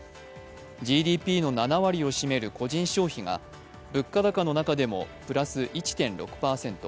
ＧＤＰの７割を占める個人消費が物価高の中でもプラス１．６％